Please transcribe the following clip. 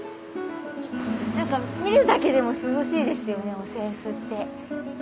何か見るだけでも涼しいですよねお扇子って。